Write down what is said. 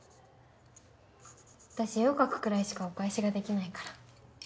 私絵を描くくらいしかお返しができないから。